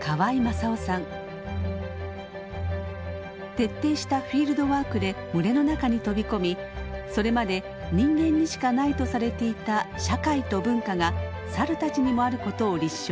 徹底したフィールドワークで群れの中に飛び込みそれまで人間にしかないとされていた社会と文化がサルたちにもあることを立証。